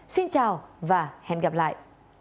xin chào và hẹn gặp lại